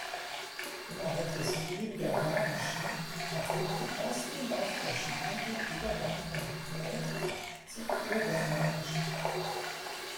Innerhalb des frühen Germanischen markiert die erste Lautverschiebung den Übergang vom Prä- zum Urgermanischen.